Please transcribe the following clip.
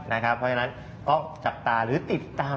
เพราะฉะนั้นต้องจับตาหรือติดตาม